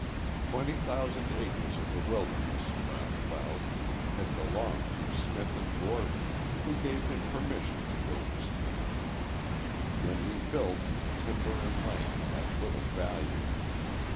Twenty thousand acres of the wilderness, round about, had belonged to Smith & Gordon, who gave him permission to build his camp. When he built, timber and land had little value.